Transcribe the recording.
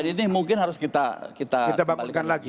jadi ini mungkin harus kita kembalikan lagi